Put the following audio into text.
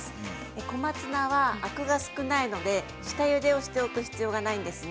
小松菜はアクが少ないので下ゆでをしておく必要がないですね。